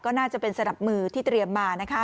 ก็น่าจะเป็นสนับมือที่เตรียมมานะคะ